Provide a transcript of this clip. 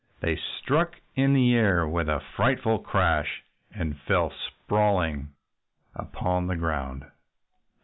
They struck in the air with a frightful crash and fell sprawling upon the ground.